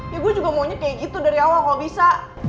ya gue juga maunya kayak gitu dari awal kalau bisa